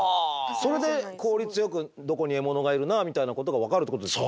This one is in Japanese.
それで効率よくどこに獲物がいるなみたいなことが分かるってことですか。